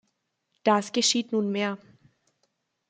Das geschieht nunmehr.